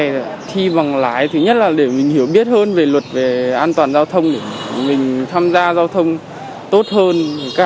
thì khi bằng lái thứ nhất là để mình hiểu biết hơn về luật về an toàn giao thông để mình tham gia giao thông tốt hơn